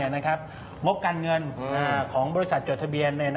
งบการเงินของบริษัทจดทะเบียน